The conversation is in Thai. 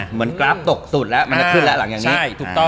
เหมือนกราฟตกสุดแล้วมันจะขึ้นแล้วหลังอย่างนี้